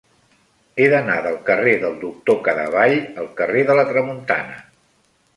He d'anar del carrer del Doctor Cadevall al carrer de la Tramuntana.